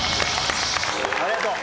ありがとう。